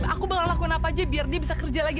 aku bakal lakuin apa aja biar dia bisa kerja lagi